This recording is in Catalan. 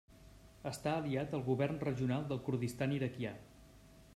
Està aliat al govern regional del Kurdistan Iraquià.